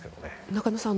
中野さん